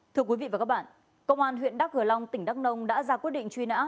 thưa quý vị và các bạn công an huyện đắk hờ long tỉnh đắk nông đã ra quyết định truy nã